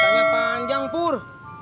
ceritanya panjang pur